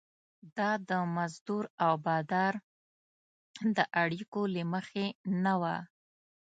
دا د مزدور او بادار د اړیکو له مخې نه وه.